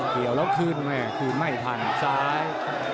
เหลี่ยวแล้วคืนคืนไม่ถังซ้าย